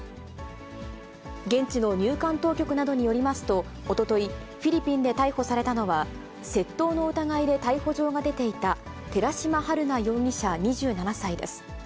現地の入管当局などによりますと、おととい、フィリピンで逮捕されたのは、窃盗の疑いで逮捕状が出ていた寺島春奈容疑者２７歳です。